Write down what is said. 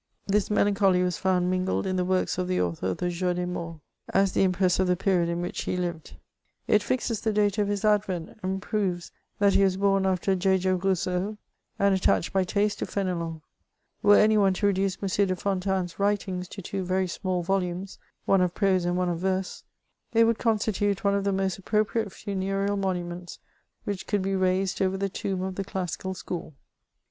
This melancholy was found mingled in the works of the author of the Jour des MorlSy* as the impress of the period in which he lived ; it fixes the date of his advent, and proves that he was bom after J. J. Rous seau, and attached by taste to Fenelon. Were any one to reduce M. de Fontanes* writings to two very small volumes — one of prose and one of verse — it would constitute one of the most appropriate funereal monuments which could be raised over the tomb of the classical school, f • Tliis was a poetical version of Gray's Elegy."